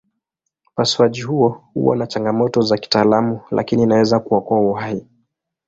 Upasuaji huo huwa na changamoto za kitaalamu lakini inaweza kuokoa uhai.